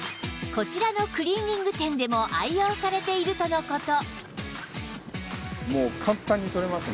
こちらのクリーニング店でも愛用されているとの事